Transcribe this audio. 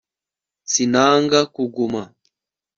sinanga kuguma